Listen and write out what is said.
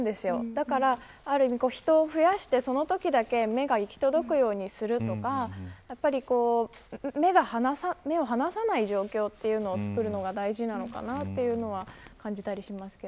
だから、人を増やしてそのときだけ目が行き届くようにするとか目を離さない状況というのをつくるのが大事なのかなというのは感じたりします。